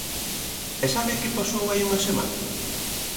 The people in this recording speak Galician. ¿E sabe que pasou hai unha semana?